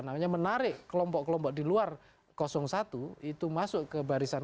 kalau misalnya menarik kelompok kelompok di luar satu itu masuk ke barisan satu